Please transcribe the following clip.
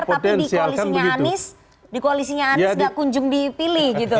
tapi di koalisinya anies di koalisinya anies gak kunjung dipilih gitu